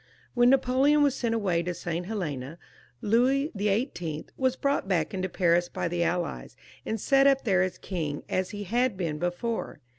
When Napoleon was sent away to St. Helena, Louis XVIIL was, as I have said before, brought back into Paris by the Allies, and set up there as king as he had been be fore.